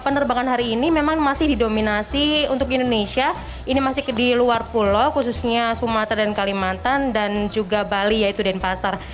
penerbangan hari ini memang masih didominasi untuk indonesia ini masih di luar pulau khususnya sumatera dan kalimantan dan juga bali yaitu denpasar